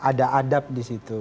ada adab disitu